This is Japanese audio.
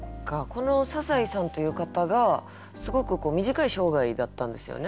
この笹井さんという方がすごく短い生涯だったんですよね。